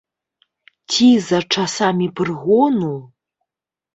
Ці за часамі прыгону?